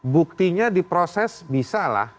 buktinya diproses bisalah